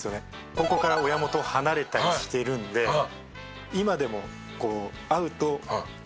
高校から親元を離れたりしてるので今でも会うと敬語だったり。